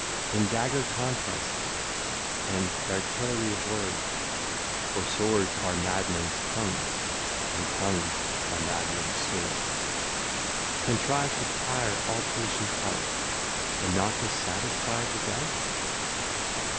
In dagger contests, and th'artillery of words, (For swords are madmen's tongues, and tongues are madmen's swords,) Contrived to tire all patience out, And not to satisfy the doubt?